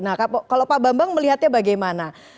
nah kalau pak bambang melihatnya bagaimana